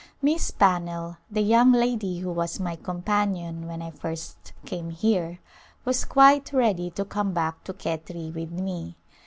Miss Pannell, the young lady who was my com panion when I first came here, was quite ready to come back to Khetri with me.